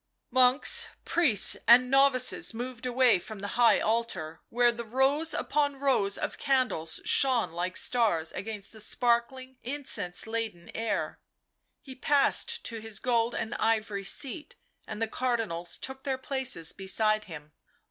Monks, priests and novices moved away from the high altar, where the rows upon rows of candles shone like stars against the sparkling, incense laden air. He passed to his gold and ivory seat, and the Cardinals took their places beside him.